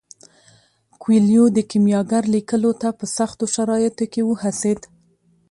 کویلیو د کیمیاګر لیکلو ته په سختو شرایطو کې وهڅید.